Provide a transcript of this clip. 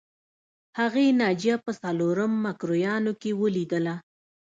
هغې ناجیه په څلورم مکروریانو کې ولیدله